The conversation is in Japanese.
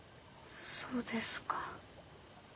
そうですか。